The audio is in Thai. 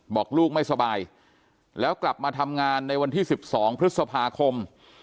บอกลูกไม่สบายแล้วกลับมาทำงานในวันที่๑๒พฤษภาคม